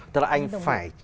tức là anh phải